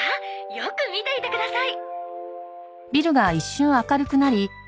よく見ていてください。